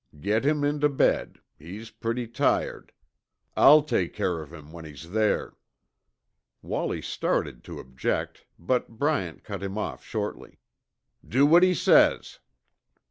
Get him into bed; he's pretty tired. I'll take care of him when he's there." Wallie started to object, but Bryant cut him off shortly. "Do what he says!"